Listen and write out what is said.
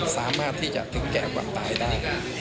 สามารถที่จะถึงแก่ความตายได้